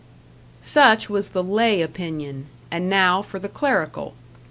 Such was the lay opinion; and now for the clerical.